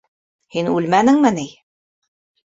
Һин үлмәнеңме ни?